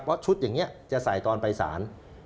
เพราะชุดอย่างนี้จะใส่ตอนไปสาร